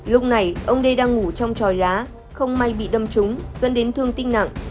lúc này ông đê đang ngủ trong tròi lá không may bị đâm trúng dẫn đến thương tinh nặng